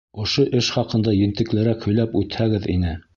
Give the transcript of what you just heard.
— Ошо эш хаҡында ентеклерәк һөйләп үтһәгеҙ ине...